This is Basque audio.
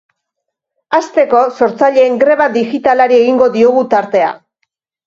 Hasteko, sortzaileen greba digitalari egingo diogu tartea.